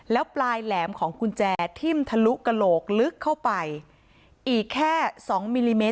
แล้วปลายแหลมของกุญแจทิ่มทะลุกระโหลกลึกเข้าไปอีกแค่สองมิลลิเมตร